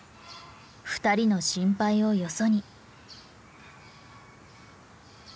二人の心配をよそに。